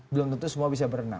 belum tentu semua bisa berenang